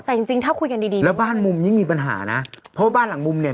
แต่จริงจริงถ้าคุยกันดีดีแล้วบ้านมุมนี้มีปัญหานะเพราะว่าบ้านหลังมุมเนี่ย